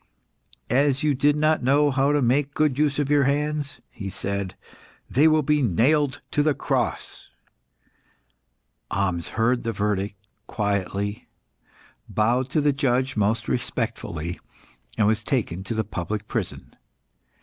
"As you did not know how to make a good use of your hands," he said, "they will be nailed to the cross." Ahmes heard the verdict quietly, bowed to the judge most respectfully, and was taken to the public prison.